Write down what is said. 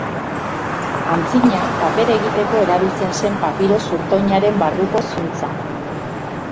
Antzina, papera egiteko erabiltzen zen papiro-zurtoinaren barruko zuntza.